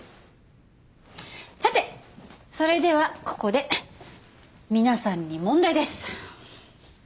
さてそれではここで皆さんに問題です。